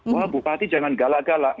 wah bupati jangan galak galak